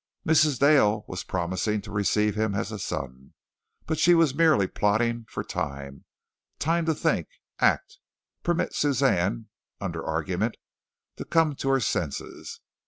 Mrs. Dale was promising to receive him as a son, but she was merely plotting for time time to think, act, permit Suzanne, under argument, to come to her senses.